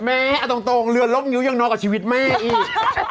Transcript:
แม่เอาตรงเรือนลบนิ้วยังน้อยกว่าชีวิตแม่อีก